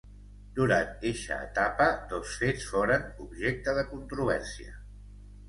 Durant eixa etapa, dos fets foren objecte de controvèrsia.